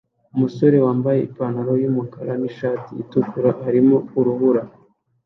Umusore wambaye ipantaro yumukara nishati itukura arimo urubura